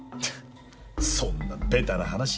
そんなベタな話。